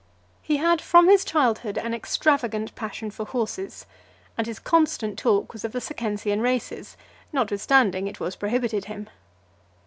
XXII. He had from his childhood an extravagant passion for horses; and his constant talk was of the Circensian races, notwithstanding it was prohibited him.